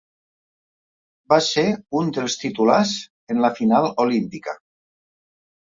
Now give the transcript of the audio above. Va ser un dels titulars en la final olímpica.